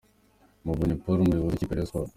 Muvunyi Paul umuyobozi w'ikipe ya Rayon Sports .